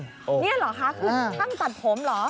นี่เหรอคะคือช่างตัดผมเหรอ